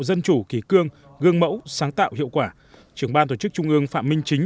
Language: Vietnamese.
dân chủ kỳ cương gương mẫu sáng tạo hiệu quả trưởng ban tổ chức trung ương phạm minh chính